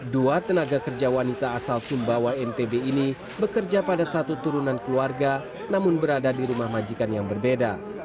dua tenaga kerja wanita asal sumbawa ntb ini bekerja pada satu turunan keluarga namun berada di rumah majikan yang berbeda